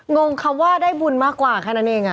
งงคำว่าได้บุญมากกว่าแค่นั้นเอง